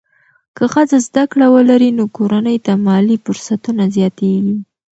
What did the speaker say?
که ښځه زده کړه ولري، نو کورنۍ ته مالي فرصتونه زیاتېږي.